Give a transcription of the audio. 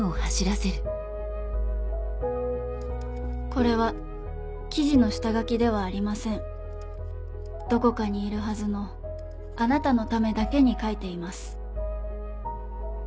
これは記事の下書きではありませんどこかにいるはずのあなたのためだけに書いています